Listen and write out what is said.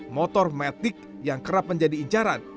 motor matic yang kerap menjadi incaran